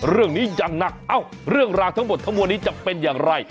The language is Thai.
อย่างหนักเอ้าเรื่องราวทั้งหมดทั้งมวลนี้จะเป็นอย่างไร